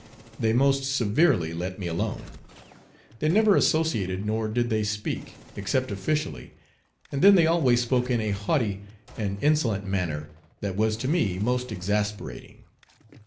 They most "severely let me alone." They never associated, nor did they speak, except officially, and then they always spoke in a haughty and insolent manner that was to me most exasperating.